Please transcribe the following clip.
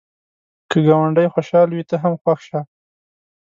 که ګاونډی خوشحال وي، ته هم خوښ شه